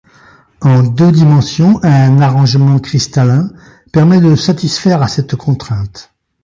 En deux dimensions, un arrangement cristallin permet de satisfaire à cette contrainte.